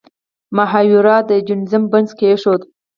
مهایورا د جینیزم بنسټ کیښود.